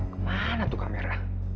kemana tuh kamera